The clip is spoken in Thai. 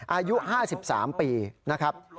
อายุ๕๓ปีนะครับ